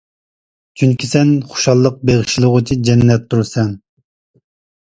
چۈنكى سەن خۇشاللىق بېغىشلىغۇچى جەننەتتۇر سەن.